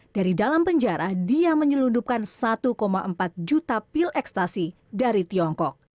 dari dalam penjara dia menyelundupkan satu empat juta pil ekstasi dari tiongkok